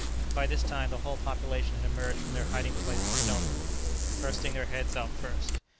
By this time the whole population had emerged from their hiding places stealthily, thrusting their heads out first.